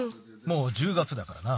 もう１０月だからな。